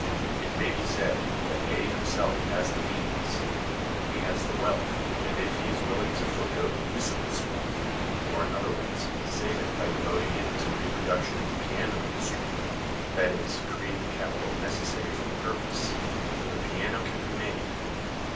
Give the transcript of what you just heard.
It may be said that A himself has the means. He has the wealth, and if he is willing to forego the use of this wealth, or, in other words, save it by devoting it to reproduction in the piano industry—that is, create the capital necessary for the purpose—then the piano can be made.